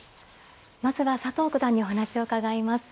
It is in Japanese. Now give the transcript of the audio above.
まずは佐藤九段にお話を伺います。